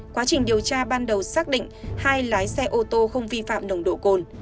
quá trình điều tra ban đầu xác định hai lái xe ô tô không vi phạm nồng độ cồn